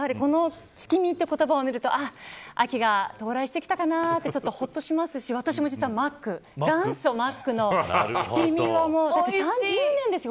月見という言葉を見ると秋が到来してきたかなとほっとしますし私も実は元祖マックの月見は、だってもう３０年ですよ。